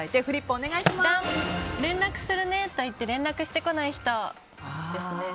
連絡するねと言って連絡してこない人。